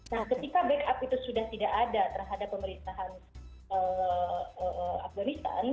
nah ketika backup itu sudah tidak ada terhadap pemerintahan afganistan